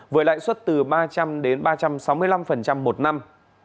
với lãi suất từ ba trăm linh đến ba trăm sáu mươi năm một năm